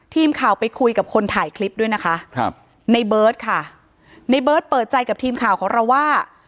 ทีมข่าวไปคุยกับคนถ่ายคลิปด้วยนะคะครับในเบิร์ตค่ะในเบิร์ตเปิดใจกับทีมข่าวของเราว่า